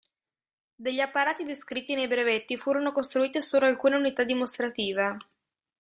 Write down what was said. Degli apparati descritti nei brevetti furono costruite solo alcune unità dimostrative.